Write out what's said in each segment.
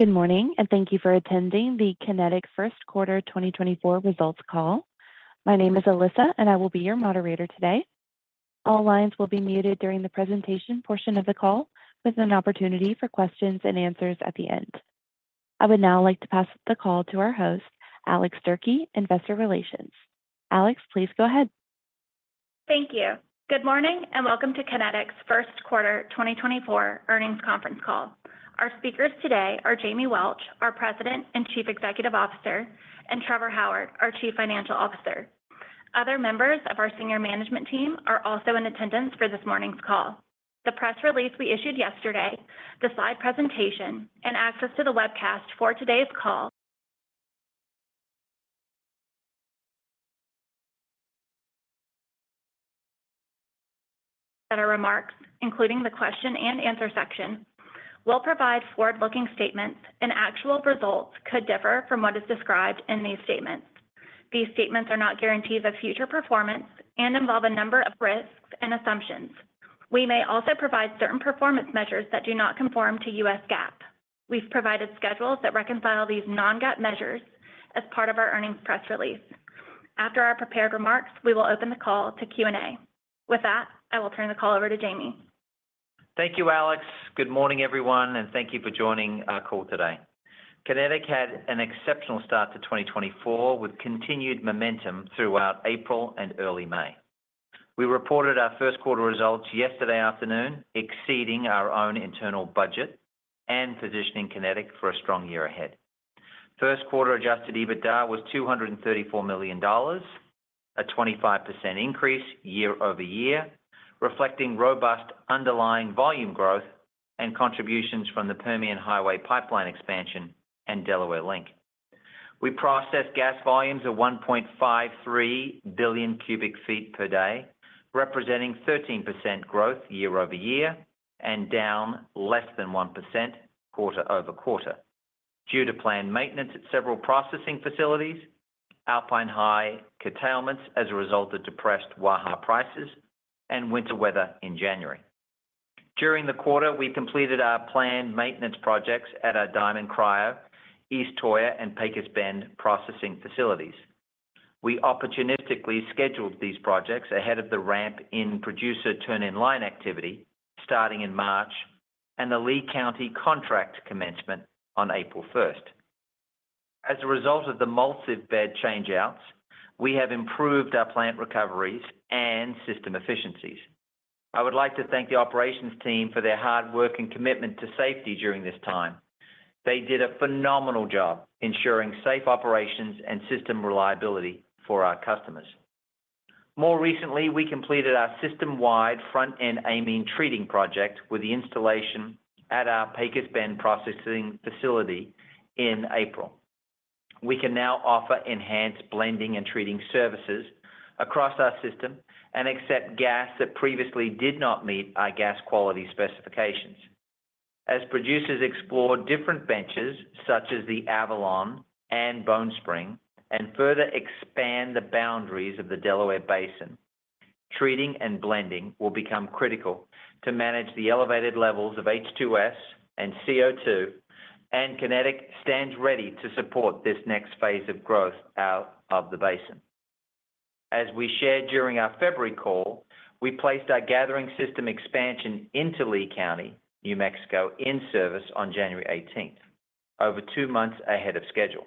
Good morning, and thank you for attending the Kinetik First Quarter 2024 results call. My name is Alyssa, and I will be your moderator today. All lines will be muted during the presentation portion of the call, with an opportunity for questions and answers at the end. I would now like to pass the call to our host, Alex Durkee, Investor Relations. Alex, please go ahead. Thank you. Good morning and welcome to Kinetik's First Quarter 2024 earnings conference call. Our speakers today are Jamie Welch, our President and Chief Executive Officer, and Trevor Howard, our Chief Financial Officer. Other members of our senior management team are also in attendance for this morning's call. The press release we issued yesterday, the slide presentation, and access to the webcast for today's call, that are remarks, including the question and answer section, will provide forward-looking statements, and actual results could differ from what is described in these statements. These statements are not guarantees of future performance and involve a number of risks and assumptions. We may also provide certain performance measures that do not conform to U.S. GAAP. We've provided schedules that reconcile these non-GAAP measures as part of our earnings press release. After our prepared remarks, we will open the call to Q&A. With that, I will turn the call over to Jamie. Thank you, Alex. Good morning, everyone, and thank you for joining our call today. Kinetik had an exceptional start to 2024 with continued momentum throughout April and early May. We reported our First Quarter results yesterday afternoon, exceeding our own internal budget and positioning Kinetik for a strong year ahead. First Quarter adjusted EBITDA was $234 million, a 25% increase year-over-year, reflecting robust underlying volume growth and contributions from the Permian Highway Pipeline expansion and Delaware Link. We processed gas volumes of 1.53 billion cubic feet per day, representing 13% growth year-over-year and down less than 1% quarter-over-quarter due to planned maintenance at several processing facilities, Alpine High curtailments as a result of depressed Waha prices, and winter weather in January. During the quarter, we completed our planned maintenance projects at our Diamond Cryo, East Toyah, and Pecos Bend processing facilities. We opportunistically scheduled these projects ahead of the ramp-in producer turn-in-line activity starting in March and the Lea County contract commencement on April 1st. As a result of the molecular sieve bed changeouts, we have improved our plant recoveries and system efficiencies. I would like to thank the operations team for their hard work and commitment to safety during this time. They did a phenomenal job ensuring safe operations and system reliability for our customers. More recently, we completed our system-wide front-end amine treating project with the installation at our Pecos Bend processing facility in April. We can now offer enhanced blending and treating services across our system and accept gas that previously did not meet our gas quality specifications. As producers explore different benches such as the Avalon and Bone Spring and further expand the boundaries of the Delaware Basin, treating and blending will become critical to manage the elevated levels of H2S and CO2, and Kinetik stands ready to support this next phase of growth out of the basin. As we shared during our February call, we placed our gathering system expansion into Lea County, New Mexico, in service on January 18th, over two months ahead of schedule.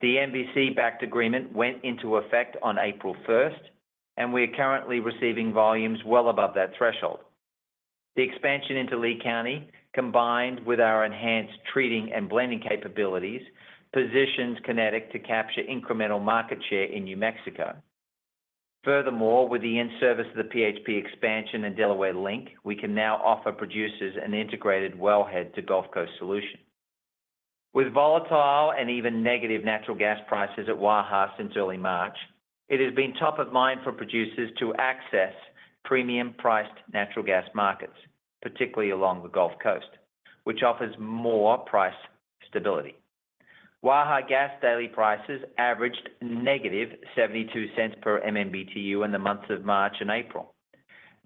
The MVC-backed agreement went into effect on April 1st, and we are currently receiving volumes well above that threshold. The expansion into Lea County, combined with our enhanced treating and blending capabilities, positions Kinetik to capture incremental market share in New Mexico. Furthermore, with the in-service of the PHP expansion and Delaware Link, we can now offer producers an integrated wellhead to Gulf Coast solution. With volatile and even negative natural gas prices at Waha since early March, it has been top of mind for producers to access premium-priced natural gas markets, particularly along the Gulf Coast, which offers more price stability. Waha gas daily prices averaged negative $0.72 per MMBTU in the months of March and April.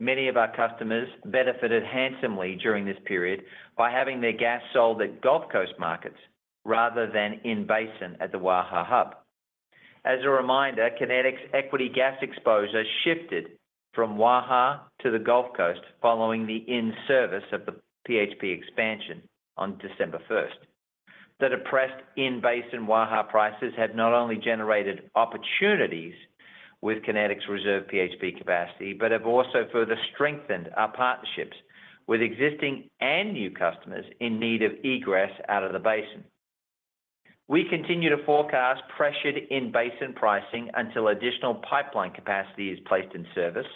Many of our customers benefited handsomely during this period by having their gas sold at Gulf Coast markets rather than in-basin at the Waha hub. As a reminder, Kinetik's equity gas exposure shifted from Waha to the Gulf Coast following the in-service of the PHP expansion on December 1st. The depressed in-basin Waha prices have not only generated opportunities with Kinetik's reserved PHP capacity but have also further strengthened our partnerships with existing and new customers in need of egress out of the basin. We continue to forecast pressured in-basin pricing until additional pipeline capacity is placed in service.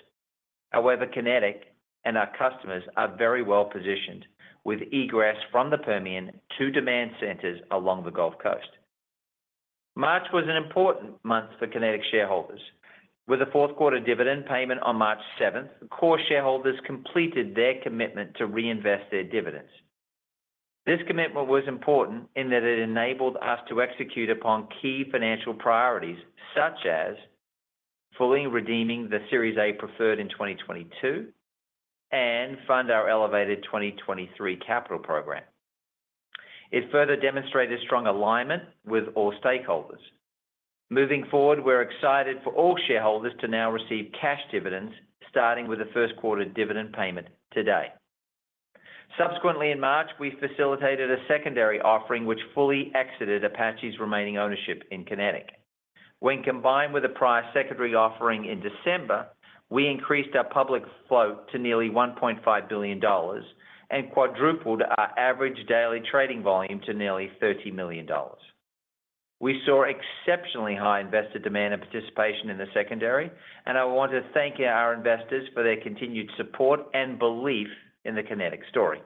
However, Kinetik and our customers are very well positioned with egress from the Permian to demand centers along the Gulf Coast. March was an important month for Kinetik shareholders. With a fourth-quarter dividend payment on March 7th, core shareholders completed their commitment to reinvest their dividends. This commitment was important in that it enabled us to execute upon key financial priorities such as fully redeeming the Series A Preferred in 2022 and fund our elevated 2023 capital program. It further demonstrated strong alignment with all stakeholders. Moving forward, we're excited for all shareholders to now receive cash dividends starting with the first quarter dividend payment today. Subsequently, in March, we facilitated a secondary offering which fully exited Apache's remaining ownership in Kinetik. When combined with a prior secondary offering in December, we increased our public float to nearly $1.5 billion and quadrupled our average daily trading volume to nearly $30 million. We saw exceptionally high investor demand and participation in the secondary, and I want to thank our investors for their continued support and belief in the Kinetik story.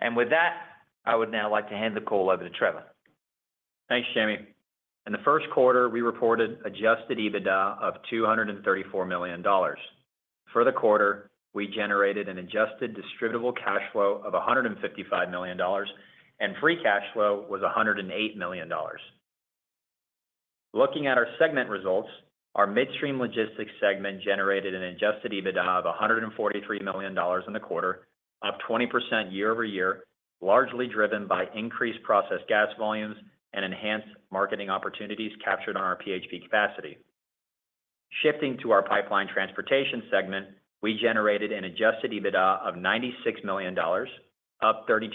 And with that, I would now like to hand the call over to Trevor. Thanks, Jamie. In the first quarter, we reported adjusted EBITDA of $234 million. For the quarter, we generated an adjusted distributable cash flow of $155 million, and free cash flow was $108 million. Looking at our segment results, our midstream logistics segment generated an adjusted EBITDA of $143 million in the quarter, up 20% year-over-year, largely driven by increased processed gas volumes and enhanced marketing opportunities captured on our PHP capacity. Shifting to our pipeline transportation segment, we generated an Adjusted EBITDA of $96 million, up 32%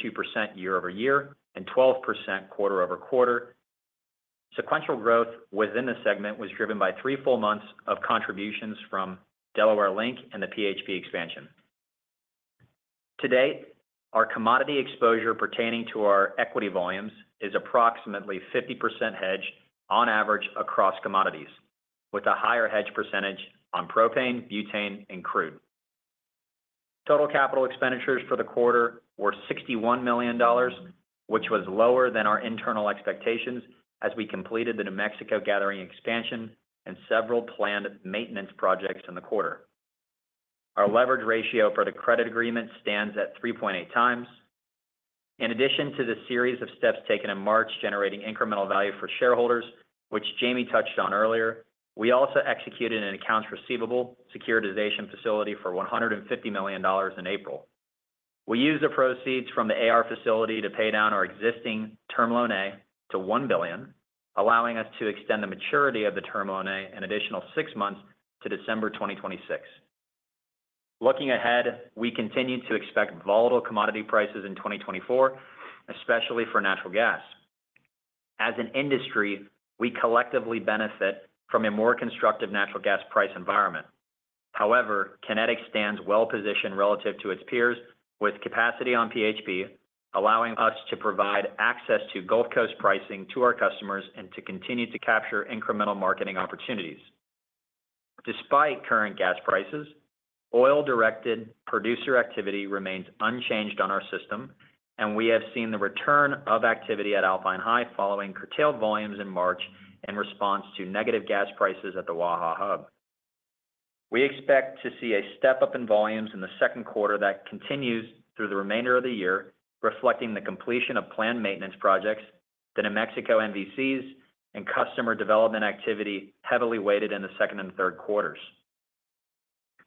year-over-year and 12% quarter-over-quarter. Sequential growth within the segment was driven by three full months of contributions from Delaware Link and the PHP expansion. To date, our commodity exposure pertaining to our equity volumes is approximately 50% hedged on average across commodities, with a higher hedge percentage on propane, butane, and crude. Total capital expenditures for the quarter were $61 million, which was lower than our internal expectations as we completed the New Mexico gathering expansion and several planned maintenance projects in the quarter. Our leverage ratio for the credit agreement stands at 3.8 times. In addition to the series of steps taken in March generating incremental value for shareholders, which Jamie touched on earlier, we also executed an accounts receivable securitization facility for $150 million in April. We used the proceeds from the AR facility to pay down our existing Term Loan A to $1 billion, allowing us to extend the maturity of the Term Loan A an additional six months to December 2026. Looking ahead, we continue to expect volatile commodity prices in 2024, especially for natural gas. As an industry, we collectively benefit from a more constructive natural gas price environment. However, Kinetik stands well positioned relative to its peers, with capacity on PHP allowing us to provide access to Gulf Coast pricing to our customers and to continue to capture incremental marketing opportunities. Despite current gas prices, oil-directed producer activity remains unchanged on our system, and we have seen the return of activity at Alpine High following curtailed volumes in March in response to negative gas prices at the Waha hub. We expect to see a step-up in volumes in the second quarter that continues through the remainder of the year, reflecting the completion of planned maintenance projects, the New Mexico MVCs, and customer development activity heavily weighted in the second and third quarters.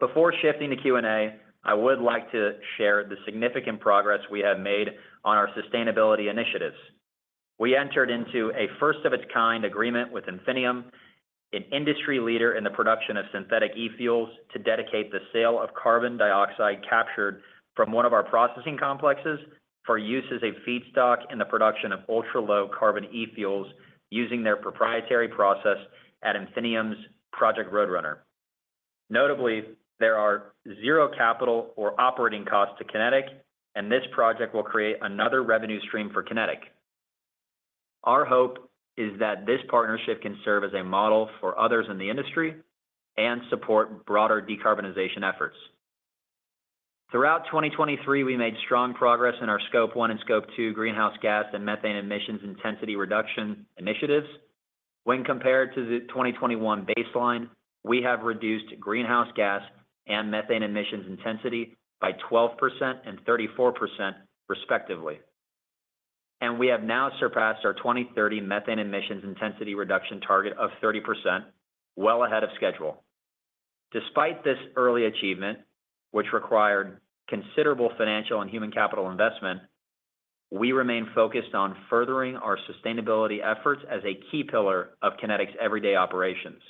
Before shifting to Q&A, I would like to share the significant progress we have made on our sustainability initiatives. We entered into a first-of-its-kind agreement with Infinium, an industry leader in the production of synthetic e-fuels, to dedicate the sale of carbon dioxide captured from one of our processing complexes for use as a feedstock in the production of ultra-low carbon e-fuels using their proprietary process at Infinium's Project Roadrunner. Notably, there are zero capital or operating costs to Kinetik, and this project will create another revenue stream for Kinetik. Our hope is that this partnership can serve as a model for others in the industry and support broader decarbonization efforts. Throughout 2023, we made strong progress in our Scope 1 and Scope 2 greenhouse gas and methane emissions intensity reduction initiatives. When compared to the 2021 baseline, we have reduced greenhouse gas and methane emissions intensity by 12% and 34%, respectively. We have now surpassed our 2030 methane emissions intensity reduction target of 30%, well ahead of schedule. Despite this early achievement, which required considerable financial and human capital investment, we remain focused on furthering our sustainability efforts as a key pillar of Kinetik's everyday operations.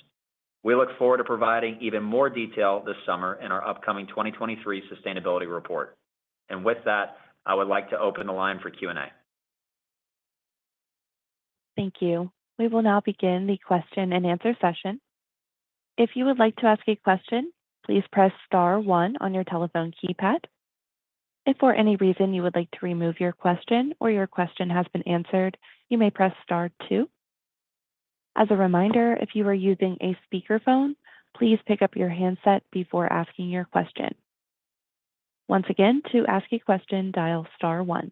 We look forward to providing even more detail this summer in our upcoming 2023 sustainability report. With that, I would like to open the line for Q&A. Thank you. We will now begin the question and answer session. If you would like to ask a question, please press star 1 on your telephone keypad. If for any reason you would like to remove your question or your question has been answered, you may press star 2. As a reminder, if you are using a speakerphone, please pick up your handset before asking your question. Once again, to ask a question, dial star 1.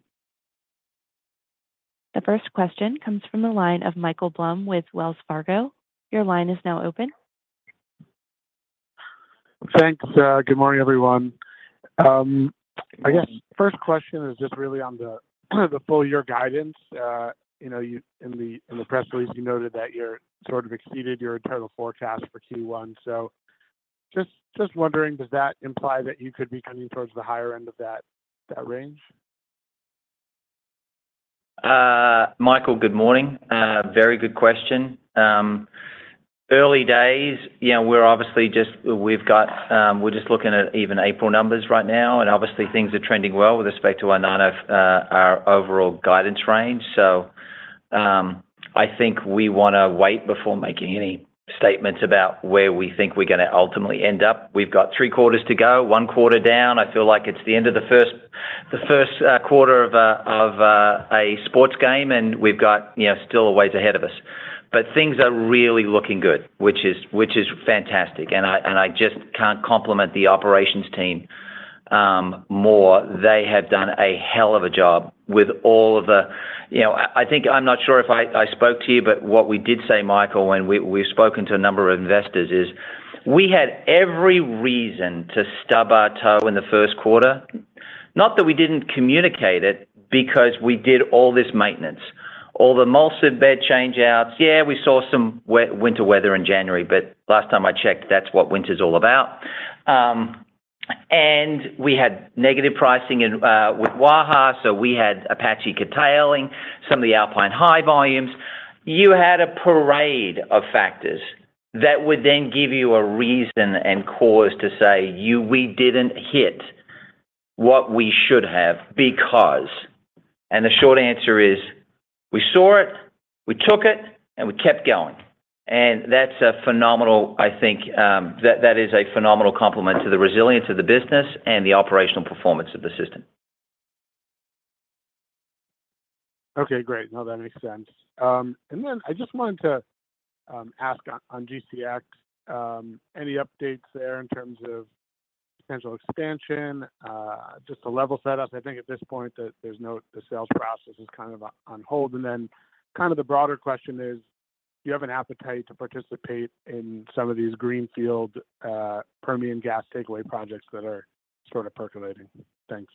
The first question comes from the line of Michael Blum with Wells Fargo. Your line is now open. Thanks. Good morning, everyone. I guess the first question is just really on the full year guidance. In the press release, you noted that you sort of exceeded your internal forecast for Q1. So just wondering, does that imply that you could be coming towards the higher end of that range? Michael, good morning. Very good question. Early days, we're obviously just looking at even April numbers right now, and obviously, things are trending well with respect to our overall guidance range. So I think we want to wait before making any statements about where we think we're going to ultimately end up. We've got three quarters to go, one quarter down. I feel like it's the end of the first quarter of a sports game, and we've got still a ways ahead of us. But things are really looking good, which is fantastic. And I just can't compliment the operations team more. They have done a hell of a job with all of the. I think I'm not sure if I spoke to you, but what we did say, Michael, when we've spoken to a number of investors, is we had every reason to stub our toe in the first quarter. Not that we didn't communicate it because we did all this maintenance, all the molecular sieve changeouts. Yeah, we saw some winter weather in January, but last time I checked, that's what winter's all about. And we had negative pricing with Waha, so we had Apache curtailing some of the Alpine High volumes. You had a parade of factors that would then give you a reason and cause to say, "We didn't hit what we should have because." And the short answer is, we saw it, we took it, and we kept going. That's a phenomenal. I think that is a phenomenal complement to the resilience of the business and the operational performance of the system. Okay, great. No, that makes sense. And then I just wanted to ask on GCX, any updates there in terms of potential expansion, just the level setup? I think at this point, the sales process is kind of on hold. And then kind of the broader question is, do you have an appetite to participate in some of these greenfield Permian gas takeaway projects that are sort of percolating? Thanks.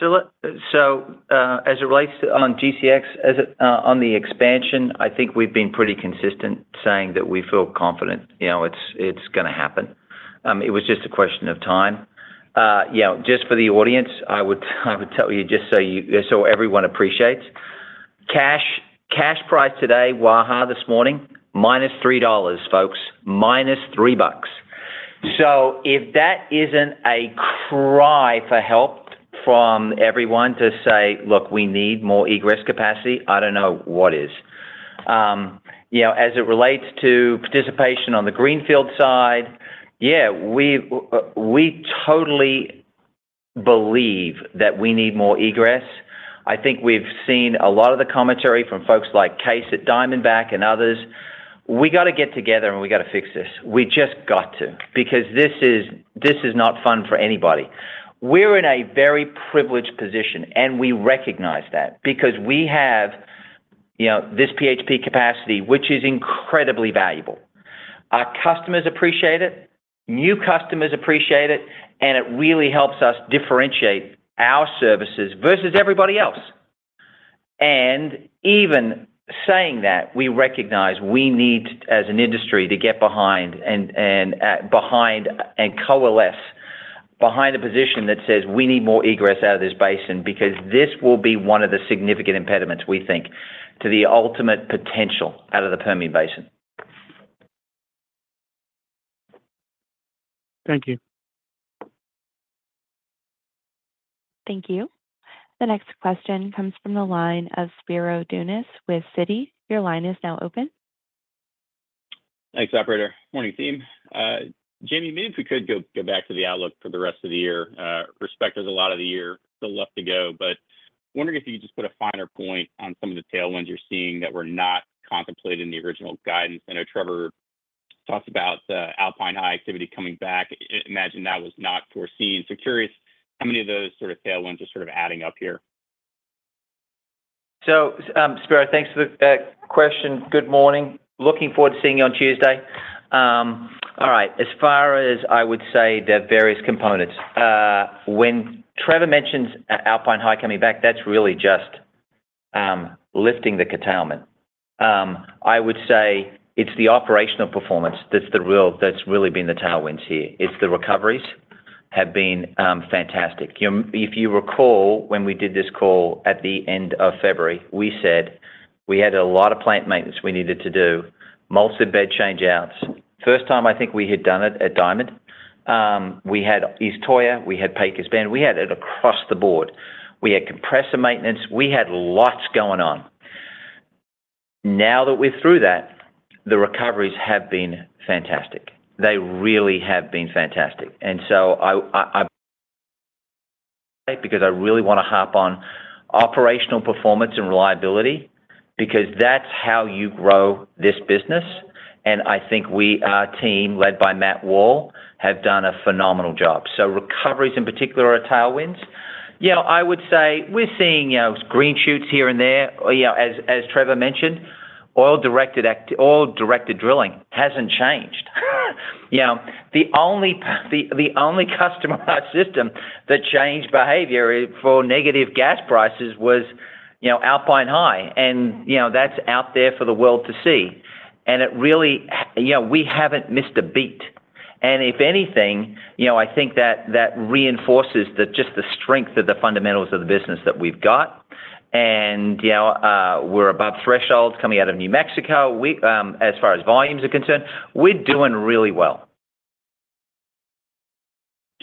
So as it relates to on GCX, on the expansion, I think we've been pretty consistent saying that we feel confident it's going to happen. It was just a question of time. Just for the audience, I would tell you just so everyone appreciates, cash price today, Waha this morning, minus $3, folks, minus $3. So if that isn't a cry for help from everyone to say, "Look, we need more egress capacity," I don't know what is. As it relates to participation on the greenfield side, yeah, we totally believe that we need more egress. I think we've seen a lot of the commentary from folks like Kaes at Diamondback and others. We got to get together, and we got to fix this. We just got to because this is not fun for anybody. We're in a very privileged position, and we recognize that because we have this PHP capacity, which is incredibly valuable. Our customers appreciate it, new customers appreciate it, and it really helps us differentiate our services versus everybody else. And even saying that, we recognize we need, as an industry, to get behind and coalesce behind a position that says, "We need more egress out of this basin because this will be one of the significant impediments, we think, to the ultimate potential out of the Permian Basin. Thank you. Thank you. The next question comes from the line of Spiro Dounis with Citi. Your line is now open. Thanks, operator. Morning, team. Jamie, maybe if we could go back to the outlook for the rest of the year. With respect to a lot of the year still left to go, but wondering if you could just put a finer point on some of the tailwinds you're seeing that were not contemplated in the original guidance. I know Trevor talked about Alpine High activity coming back. I imagine that was not foreseen. So curious how many of those sort of tailwinds are sort of adding up here. So Spiro, thanks for the question. Good morning. Looking forward to seeing you on Tuesday. All right. As far as I would say, there are various components. When Trevor mentions Alpine High coming back, that's really just lifting the curtailment. I would say it's the operational performance that's really been the tailwinds here. It's the recoveries have been fantastic. If you recall, when we did this call at the end of February, we said we had a lot of plant maintenance we needed to do, molecular sieve bed changeouts. First time, I think we had done it at Diamond. We had East Toyah. We had Pecos Bend. We had it across the board. We had compressor maintenance. We had lots going on. Now that we're through that, the recoveries have been fantastic. They really have been fantastic. And so, because I really want to harp on operational performance and reliability because that's how you grow this business. And I think we, our team led by Matt Wall, have done a phenomenal job. So recoveries, in particular, are tailwinds. I would say we're seeing green shoots here and there. As Trevor mentioned, oil-directed drilling hasn't changed. The only customer in our system that changed behavior for negative gas prices was Alpine High, and that's out there for the world to see. And we haven't missed a beat. And if anything, I think that reinforces just the strength of the fundamentals of the business that we've got. And we're above thresholds coming out of New Mexico. As far as volumes are concerned, we're doing really well.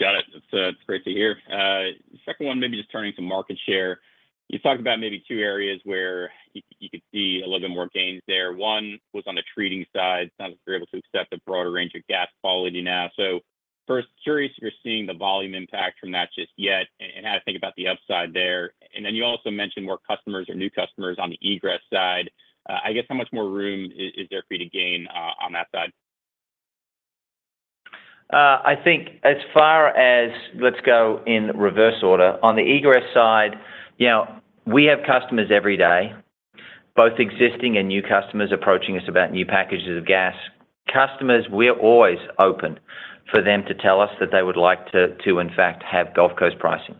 Got it. That's great to hear. Second one, maybe just turning to market share. You talked about maybe two areas where you could see a little bit more gains there. One was on the treating side. Sounds like you're able to accept a broader range of gas quality now. So first, curious if you're seeing the volume impact from that just yet and how to think about the upside there. And then you also mentioned more customers or new customers on the egress side. I guess how much more room is there for you to gain on that side? I think, as far as, let's go in reverse order. On the egress side, we have customers every day, both existing and new customers approaching us about new packages of gas. Customers, we're always open for them to tell us that they would like to, in fact, have Gulf Coast pricing.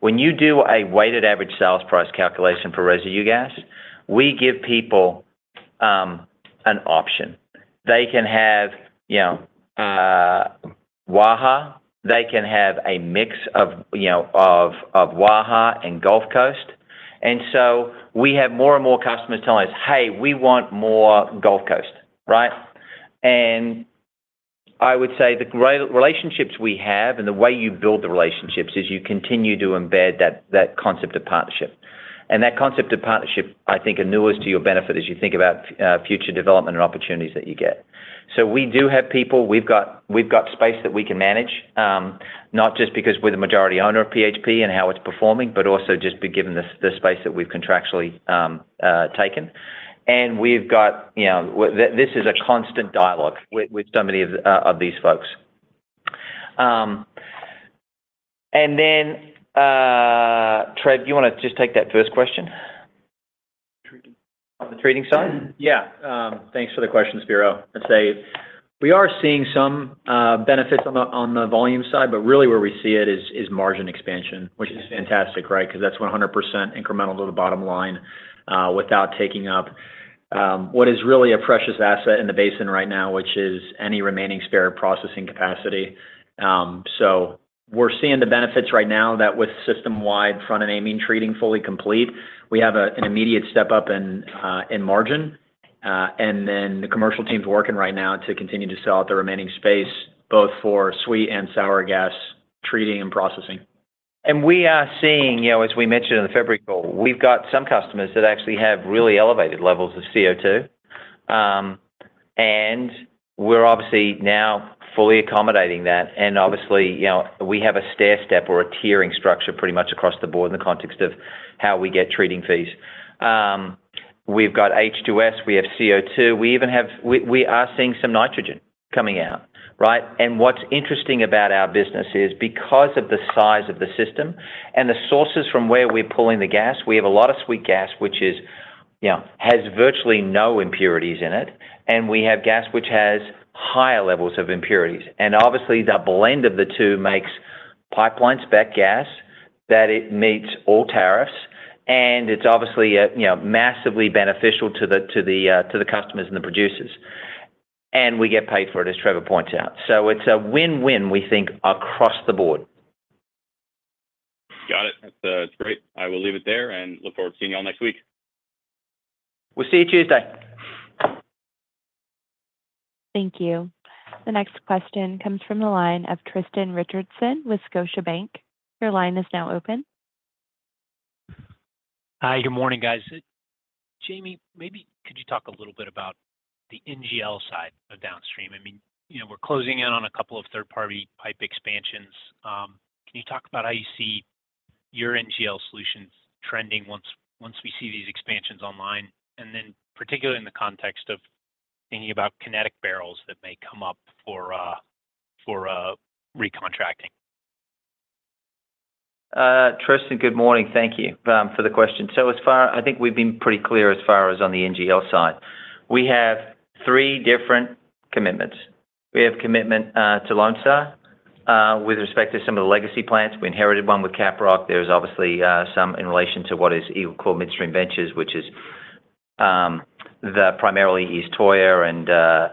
When you do a weighted average sales price calculation for residue gas, we give people an option. They can have Waha. They can have a mix of Waha and Gulf Coast. And so we have more and more customers telling us, "Hey, we want more Gulf Coast," right? And I would say the relationships we have and the way you build the relationships is you continue to embed that concept of partnership. And that concept of partnership, I think, are newest to your benefit as you think about future development and opportunities that you get. So we do have people. We've got space that we can manage, not just because we're the majority owner of PHP and how it's performing, but also just given the space that we've contractually taken. And we've got. This is a constant dialogue with so many of these folks. And then, Trevor, do you want to just take that first question? Treating. On the treating side? Yeah. Thanks for the question, Spiro. I'd say we are seeing some benefits on the volume side, but really where we see it is margin expansion, which is fantastic, right, because that's 100% incremental to the bottom line without taking up what is really a precious asset in the basin right now, which is any remaining spare processing capacity. So we're seeing the benefits right now that with system-wide front-end amine treating fully complete, we have an immediate step up in margin. And then the commercial team's working right now to continue to sell out the remaining space, both for sweet and sour gas treating and processing. We are seeing, as we mentioned in the February call, we've got some customers that actually have really elevated levels of CO2. And obviously, we're now fully accommodating that. And obviously, we have a stair step or a tiering structure pretty much across the board in the context of how we get treating fees. We've got H2S. We have CO2. We are seeing some nitrogen coming out, right? And what's interesting about our business is because of the size of the system and the sources from where we're pulling the gas, we have a lot of sweet gas, which has virtually no impurities in it. And we have gas which has higher levels of impurities. And obviously, that blend of the two makes pipeline-spec gas that it meets all tariffs. And it's obviously massively beneficial to the customers and the producers. We get paid for it, as Trevor points out. It's a win-win, we think, across the board. Got it. That's great. I will leave it there and look forward to seeing you all next week. We'll see you Tuesday. Thank you. The next question comes from the line of Tristan Richardson with Scotiabank. Your line is now open. Hi. Good morning, guys. Jamie, maybe could you talk a little bit about the NGL side of downstream? I mean, we're closing in on a couple of third-party pipe expansions. Can you talk about how you see your NGL solutions trending once we see these expansions online, and then particularly in the context of thinking about Kinetik barrels that may come up for recontracting? Tristan, good morning. Thank you for the question. So I think we've been pretty clear as far as on the NGL side. We have three different commitments. We have commitment to Lone Star with respect to some of the legacy plants. We inherited one with Caprock. There's obviously some in relation to what is EagleClaw Midstream Ventures, which is primarily East Toyah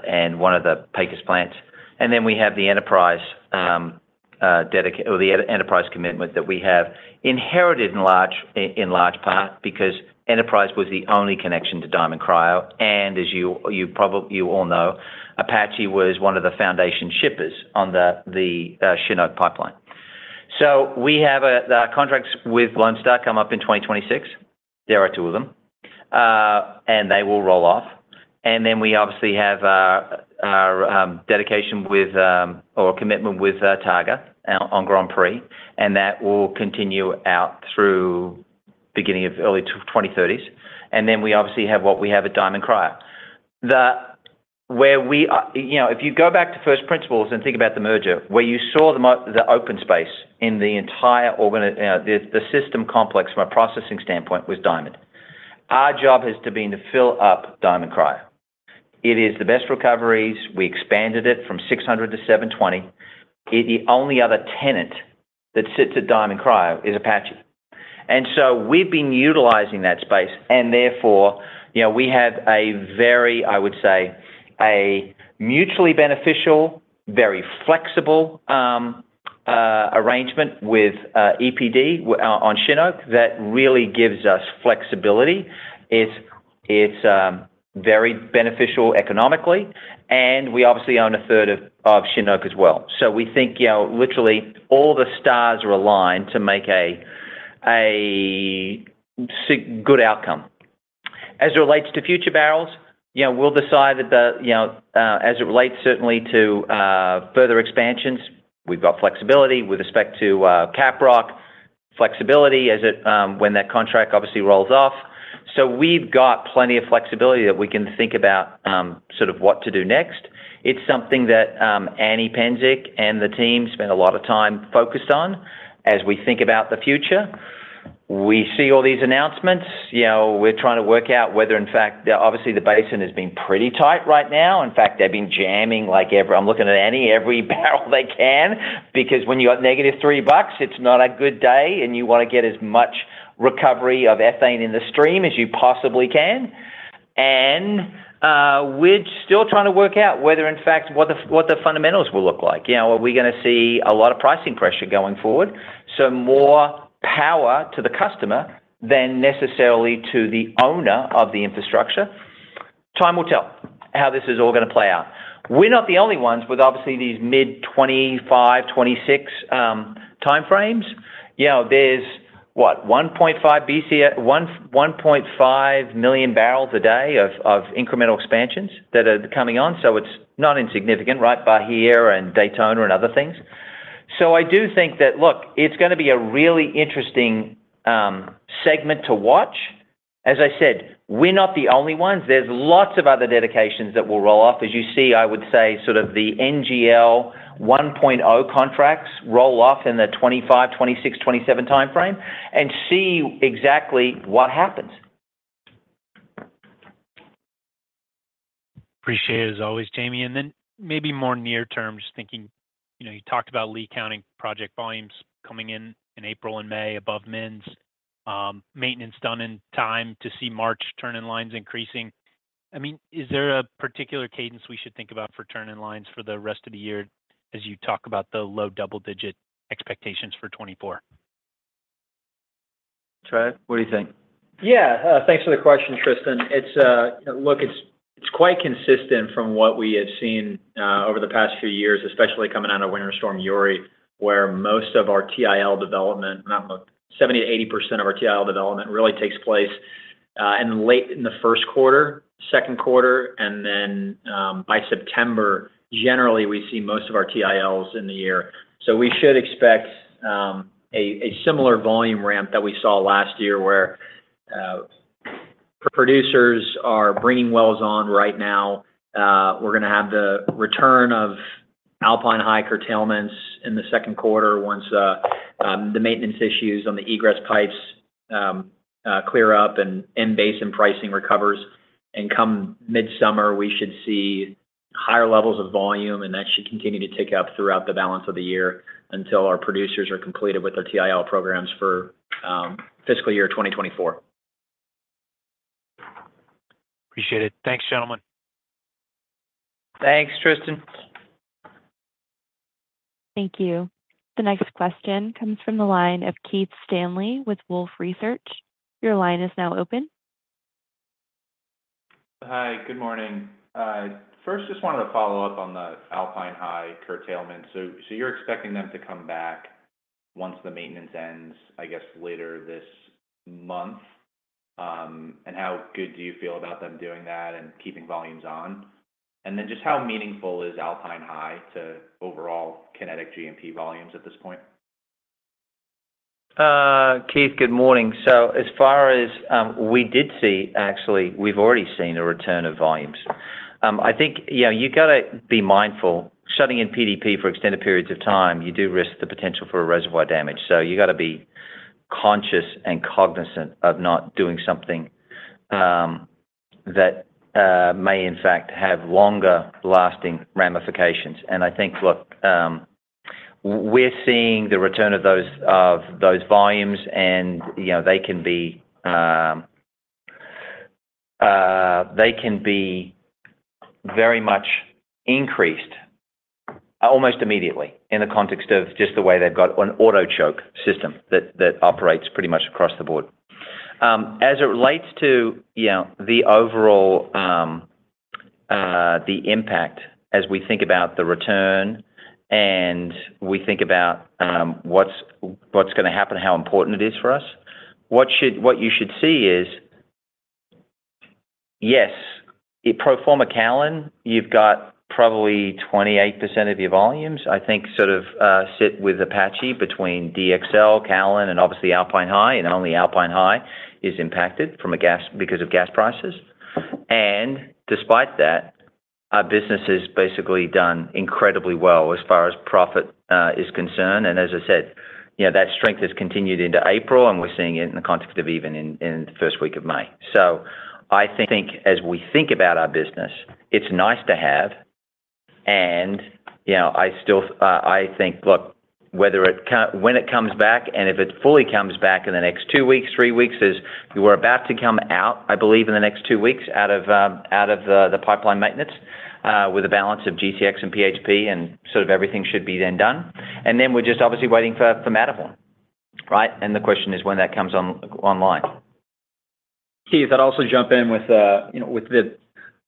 and one of the Pecos plants. And then we have the Enterprise or the Enterprise commitment that we have inherited in large part because Enterprise was the only connection to Diamond Cryo. And as you all know, Apache was one of the foundation shippers on the Shin Oak pipeline. So the contracts with Lone Star come up in 2026. There are two of them. And they will roll off. And then we obviously have our dedication with or commitment with Targa on Grand Prix. And that will continue out through beginning of early 2030s. And then we obviously have what we have at Diamond Cryo. Where we if you go back to first principles and think about the merger, where you saw the open space in the entire system complex from a processing standpoint was Diamond. Our job has been to fill up Diamond Cryo. It is the best recoveries. We expanded it from 600 to 720. The only other tenant that sits at Diamond Cryo is Apache. And so we've been utilizing that space. And therefore, we have a very, I would say, a mutually beneficial, very flexible arrangement with EPD on Shin Oak that really gives us flexibility. It's very beneficial economically. And we obviously own a third of Shin Oak as well. So we think literally all the stars are aligned to make a good outcome. As it relates to future barrels, we'll decide that, certainly, to further expansions, we've got flexibility with respect to Caprock, flexibility when that contract obviously rolls off. So we've got plenty of flexibility that we can think about sort of what to do next. It's something that Annie Psencik and the team spent a lot of time focused on as we think about the future. We see all these announcements. We're trying to work out whether, in fact, obviously, the basin has been pretty tight right now. In fact, they've been jamming like every—I'm looking at Annie—every barrel they can because when you got negative $3, it's not a good day. And you want to get as much recovery of ethane in the stream as you possibly can. We're still trying to work out whether, in fact, what the fundamentals will look like. Are we going to see a lot of pricing pressure going forward? So more power to the customer than necessarily to the owner of the infrastructure. Time will tell how this is all going to play out. We're not the only ones with, obviously, these mid-2025, 2026 timeframes. There's, what, 1.5 million barrels a day of incremental expansions that are coming on. So it's not insignificant, right, Bahia and Daytona and other things. So I do think that, look, it's going to be a really interesting segment to watch. As I said, we're not the only ones. There's lots of other dedications that will roll off. As you see, I would say sort of the NGL 1.0 contracts roll off in the 2025, 2026, 2027 timeframe and see exactly what happens. Appreciate it as always, Jamie. And then maybe more near-term, just thinking you talked about Lea County project volumes coming in in April and May above mins, maintenance done in time to see March turn-in lines increasing. I mean, is there a particular cadence we should think about for turn-in lines for the rest of the year as you talk about the low double-digit expectations for 2024? Trevor, what do you think? Yeah. Thanks for the question, Tristan. Look, it's quite consistent from what we have seen over the past few years, especially coming out of Winter Storm Uri, where most of our TIL development, 70%-80% of our TIL development, really takes place in the first quarter, second quarter, and then by September, generally, we see most of our TILs in the year. So we should expect a similar volume ramp that we saw last year where producers are bringing wells on right now. We're going to have the return of Alpine High curtailments in the second quarter once the maintenance issues on the egress pipes clear up and basin pricing recovers. And come midsummer, we should see higher levels of volume. And that should continue to tick up throughout the balance of the year until our producers are completed with their TIL programs for fiscal year 2024. Appreciate it. Thanks, gentlemen. Thanks, Tristan. Thank you. The next question comes from the line of Keith Stanley with Wolfe Research. Your line is now open. Hi. Good morning. First, just wanted to follow up on the Alpine High curtailment. You're expecting them to come back once the maintenance ends, I guess, later this month. How good do you feel about them doing that and keeping volumes on? Then just how meaningful is Alpine High to overall Kinetik GMP volumes at this point? Keith, good morning. So as far as we did see, actually, we've already seen a return of volumes. I think you've got to be mindful. Shutting in PDP for extended periods of time, you do risk the potential for reservoir damage. So you've got to be conscious and cognizant of not doing something that may, in fact, have longer-lasting ramifications. And I think, look, we're seeing the return of those volumes. And they can be very much increased almost immediately in the context of just the way they've got an auto-choke system that operates pretty much across the board. As it relates to the overall impact as we think about the return and we think about what's going to happen and how important it is for us, what you should see is, yes, pro forma Callon, you've got probably 28% of your volumes, I think, sort of sit with Apache between DXL, Callon, and obviously, Alpine High. Only Alpine High is impacted because of gas prices. Despite that, our business has basically done incredibly well as far as profit is concerned. As I said, that strength has continued into April. We're seeing it in the context of even in the first week of May. So I think, as we think about our business, it's nice to have. And I think, look, when it comes back and if it fully comes back in the next two weeks, three weeks, as we're about to come out, I believe, in the next two weeks out of the pipeline maintenance with a balance of GCX and PHP, and sort of everything should be then done. And then we're just obviously waiting for Matterhorn, right? And the question is when that comes online. Keith, I'd also jump in with the,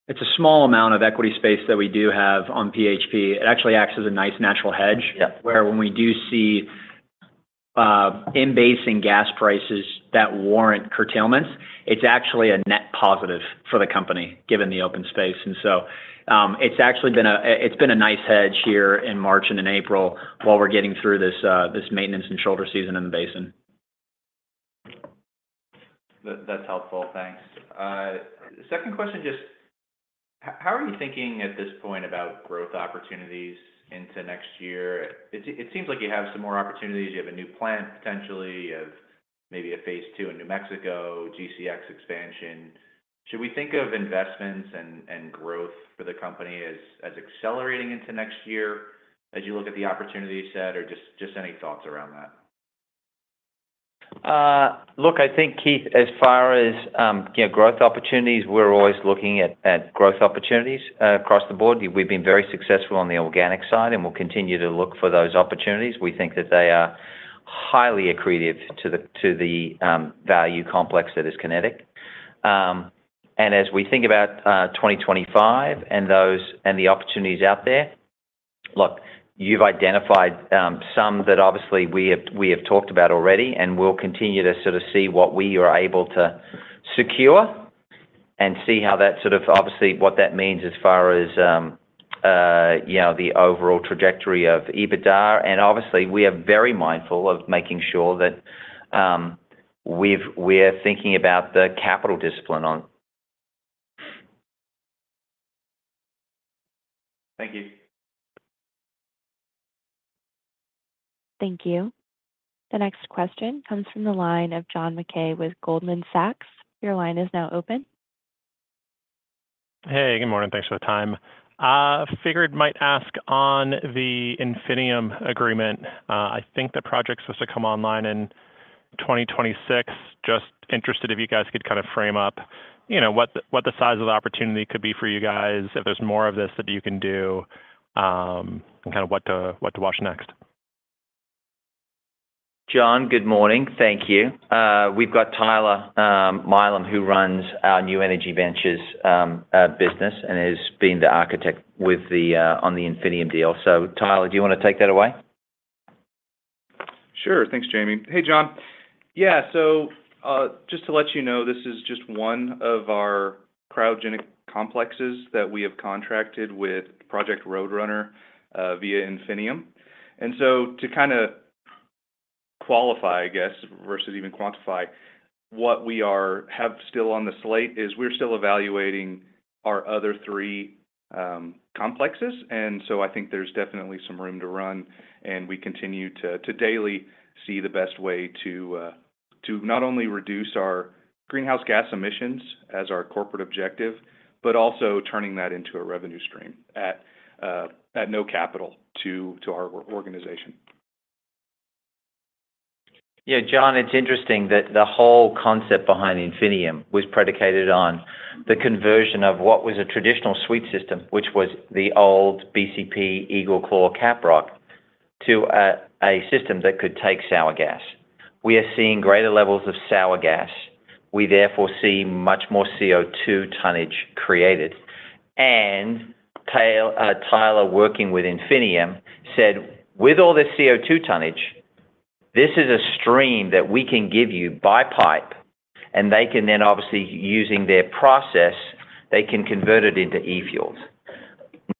it's a small amount of equity space that we do have on PHP. It actually acts as a nice natural hedge where when we do see in-basin gas prices that warrant curtailments, it's actually a net positive for the company given the open space. And so it's actually been a nice hedge here in March and in April while we're getting through this maintenance and shoulder season in the basin. That's helpful. Thanks. Second question, just how are you thinking at this point about growth opportunities into next year? It seems like you have some more opportunities. You have a new plant, potentially. You have maybe a phase II in New Mexico, GCX expansion. Should we think of investments and growth for the company as accelerating into next year as you look at the opportunity you said? Or just any thoughts around that? Look, I think, Keith, as far as growth opportunities, we're always looking at growth opportunities across the board. We've been very successful on the organic side. We'll continue to look for those opportunities. We think that they are highly accretive to the value complex that is Kinetik. As we think about 2025 and the opportunities out there, look, you've identified some that obviously we have talked about already. We'll continue to sort of see what we are able to secure and see how that sort of obviously, what that means as far as the overall trajectory of EBITDA. Obviously, we are very mindful of making sure that we're thinking about the capital discipline on. Thank you. Thank you. The next question comes from the line of John Mackay with Goldman Sachs. Your line is now open. Hey. Good morning. Thanks for the time. I figured might ask on the Infinium agreement. I think the project's supposed to come online in 2026. Just interested if you guys could kind of frame up what the size of the opportunity could be for you guys, if there's more of this that you can do, and kind of what to watch next. John, good morning. Thank you. We've got Tyler Milam who runs our New Energy Ventures business and has been the architect on the Infinium deal. So Tyler, do you want to take that away? Sure. Thanks, Jamie. Hey, John. Yeah. So just to let you know, this is just one of our cryogenic complexes that we have contracted with Project Roadrunner via Infinium. And so to kind of qualify, I guess, versus even quantify, what we have still on the slate is we're still evaluating our other three complexes. And so I think there's definitely some room to run. And we continue to daily see the best way to not only reduce our greenhouse gas emissions as our corporate objective but also turning that into a revenue stream at no capital to our organization. Yeah. John, it's interesting that the whole concept behind Infinium was predicated on the conversion of what was a traditional sweet system, which was the old EagleClaw Caprock, to a system that could take sour gas. We are seeing greater levels of sour gas. We, therefore, see much more CO2 tonnage created. And Tyler, working with Infinium, said, "With all this CO2 tonnage, this is a stream that we can give you by pipe." And they can then, obviously, using their process, they can convert it into e-fuels.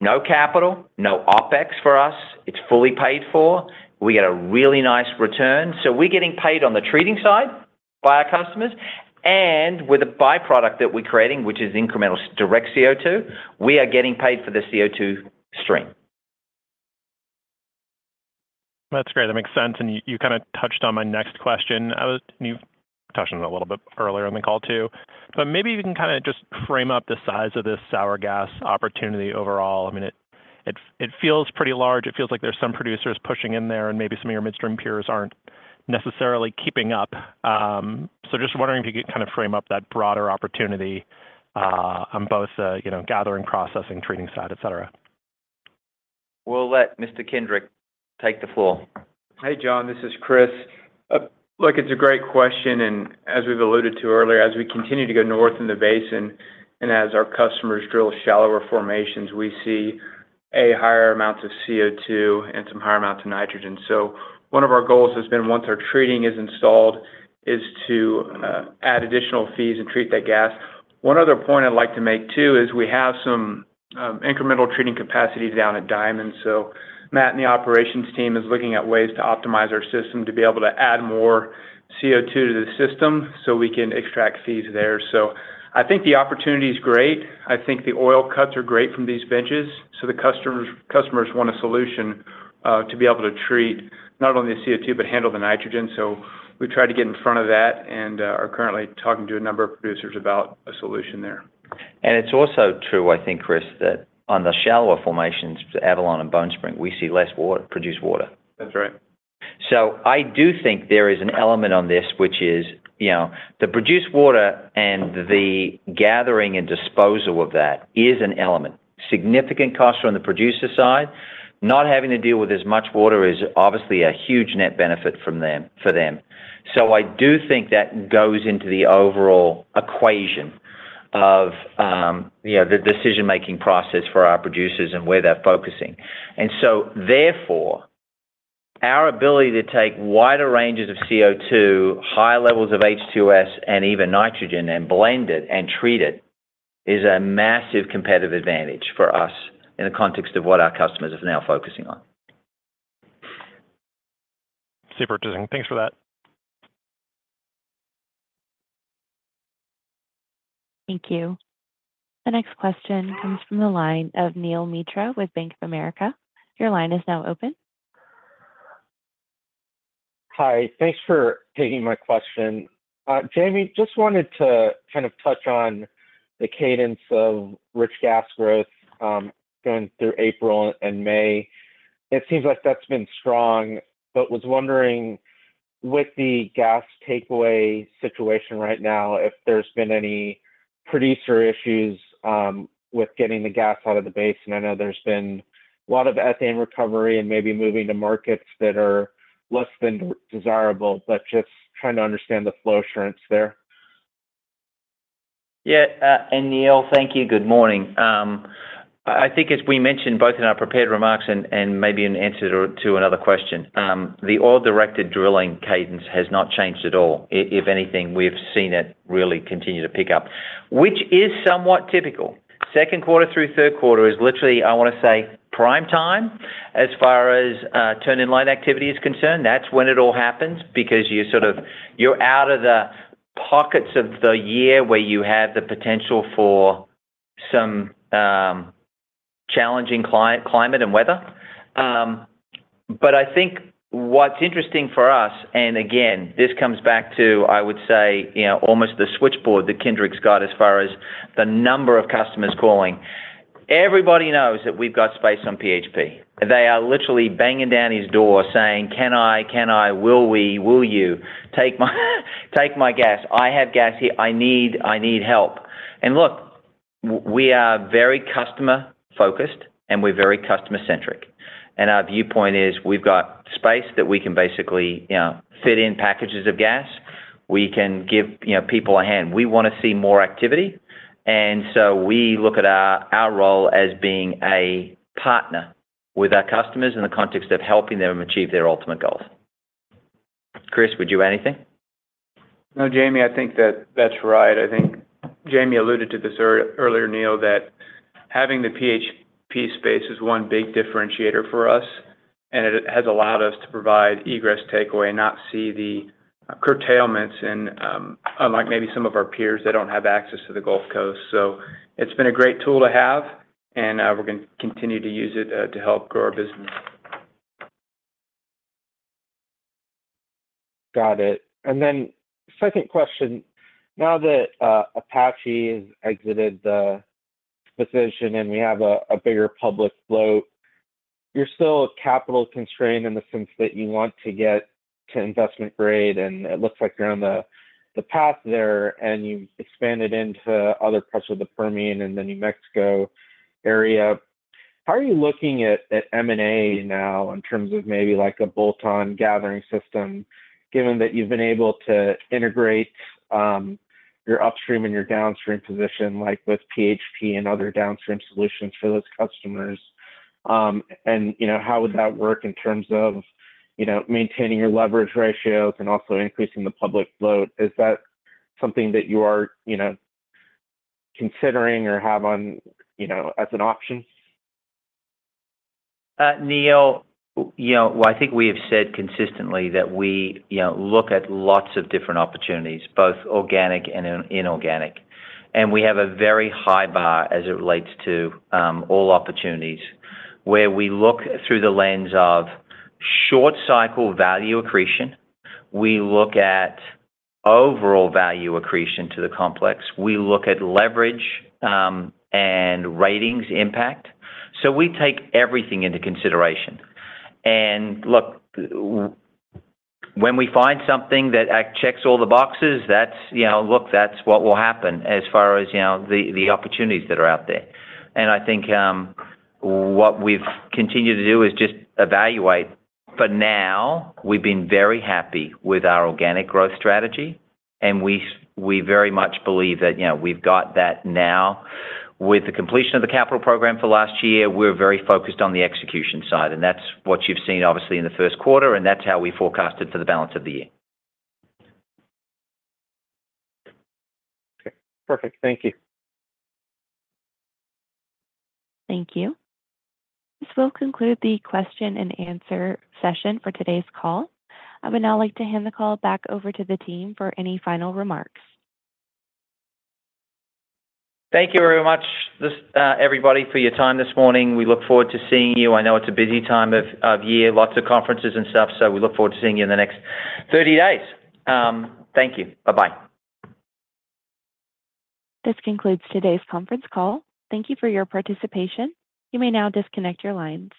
No capital, no OpEx for us. It's fully paid for. We get a really nice return. So we're getting paid on the treating side by our customers. And with a byproduct that we're creating, which is direct CO2, we are getting paid for the CO2 stream. That's great. That makes sense. And you kind of touched on my next question. And you touched on it a little bit earlier on the call too. But maybe you can kind of just frame up the size of this sour gas opportunity overall. I mean, it feels pretty large. It feels like there's some producers pushing in there. And maybe some of your midstream peers aren't necessarily keeping up. So just wondering if you could kind of frame up that broader opportunity on both the gathering, processing, treating side, etc. We'll let Mr. Kindrick take the floor. Hey, John. This is Kris. Look, it's a great question. And as we've alluded to earlier, as we continue to go north in the basin and as our customers drill shallower formations, we see higher amounts of CO2 and some higher amounts of nitrogen. So one of our goals has been, once our treating is installed, is to add additional fees and treat that gas. One other point I'd like to make too is we have some incremental treating capacity down at Diamond. So Matt and the operations team is looking at ways to optimize our system to be able to add more CO2 to the system so we can extract fees there. So I think the opportunity is great. I think the oil cuts are great from these benches. So the customers want a solution to be able to treat not only the CO2 but handle the nitrogen. We've tried to get in front of that and are currently talking to a number of producers about a solution there. It's also true, I think, Kris, that on the shallower formations, Avalon and Bone Spring, we see less produced water. That's right. So I do think there is an element on this, which is the produced water and the gathering and disposal of that is an element. Significant costs from the producer side. Not having to deal with as much water is obviously a huge net benefit for them. So I do think that goes into the overall equation of the decision-making process for our producers and where they're focusing. And so therefore, our ability to take wider ranges of CO2, high levels of H2S, and even nitrogen and blend it and treat it is a massive competitive advantage for us in the context of what our customers are now focusing on. Super interesting. Thanks for that. Thank you. The next question comes from the line of Neel Mitra with Bank of America. Your line is now open. Hi. Thanks for taking my question. Jamie, just wanted to kind of touch on the cadence of rich gas growth going through April and May. It seems like that's been strong. But was wondering, with the gas takeaway situation right now, if there's been any producer issues with getting the gas out of the basin? I know there's been a lot of ethane recovery and maybe moving to markets that are less than desirable. But just trying to understand the flow assurance there. Yeah. And Neel, thank you. Good morning. I think, as we mentioned both in our prepared remarks and maybe an answer to another question, the oil-directed drilling cadence has not changed at all. If anything, we've seen it really continue to pick up, which is somewhat typical. Second quarter through third quarter is literally, I want to say, prime time as far as turn-in-line activity is concerned. That's when it all happens because you're out of the pockets of the year where you have the potential for some challenging climate and weather. But I think what's interesting for us and again, this comes back to, I would say, almost the switchboard that Kris Kindrick's got as far as the number of customers calling. Everybody knows that we've got space on PHP. They are literally banging down his door saying, "Can I? Can I? Will we? Will you take my gas? I have gas here. I need help." Look, we are very customer-focused. We're very customer-centric. Our viewpoint is we've got space that we can basically fit in packages of gas. We can give people a hand. We want to see more activity. So we look at our role as being a partner with our customers in the context of helping them achieve their ultimate goals. Kris, would you add anything? No, Jamie. I think that that's right. I think Jamie alluded to this earlier, Neel, that having the PHP space is one big differentiator for us. And it has allowed us to provide egress takeaway and not see the curtailments unlike maybe some of our peers that don't have access to the Gulf Coast. So it's been a great tool to have. And we're going to continue to use it to help grow our business. Got it. And then second question. Now that Apache has exited the position and we have a bigger public float, you're still capital-constrained in the sense that you want to get to investment grade. And it looks like you're on the path there. And you've expanded into other parts of the Permian and the New Mexico area. How are you looking at M&A now in terms of maybe a bolt-on gathering system given that you've been able to integrate your upstream and your downstream position with PHP and other downstream solutions for those customers? And how would that work in terms of maintaining your leverage ratios and also increasing the public float? Is that something that you are considering or have as an option? Neel, well, I think we have said consistently that we look at lots of different opportunities, both organic and inorganic. We have a very high bar as it relates to all opportunities where we look through the lens of short-cycle value accretion. We look at overall value accretion to the complex. We look at leverage and ratings impact. So we take everything into consideration. Look, when we find something that checks all the boxes, look, that's what will happen as far as the opportunities that are out there. I think what we've continued to do is just evaluate. For now, we've been very happy with our organic growth strategy. We very much believe that we've got that now. With the completion of the capital program for last year, we're very focused on the execution side. That's what you've seen, obviously, in the first quarter. That's how we forecasted for the balance of the year. Okay. Perfect. Thank you. Thank you. This will conclude the question-and-answer session for today's call. I would now like to hand the call back over to the team for any final remarks. Thank you very much, everybody, for your time this morning. We look forward to seeing you. I know it's a busy time of year, lots of conferences and stuff. We look forward to seeing you in the next 30 days. Thank you. Bye-bye. This concludes today's conference call. Thank you for your participation. You may now disconnect your lines.